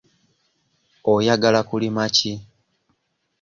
Oyagala kulima ki?